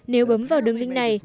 nếu bấm vào đường linh này